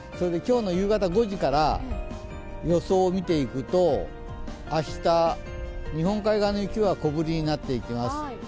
今日の夕方５時から予想を見ていくと明日、日本海側の雪は小降りになっていきます。